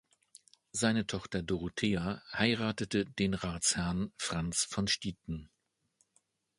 Seine Tochter Dorothea heiratete den Ratsherrn Franz von Stiten.